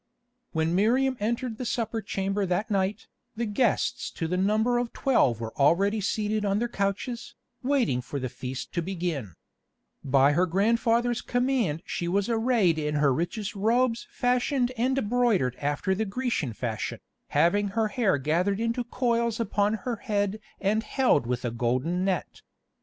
When Miriam entered the supper chamber that night, the guests to the number of twelve were already seated on their couches, waiting for the feast to begin. By her grandfather's command she was arrayed in her richest robes fashioned and broidered after the Grecian fashion, having her hair gathered into coils upon her head and held with a golden net.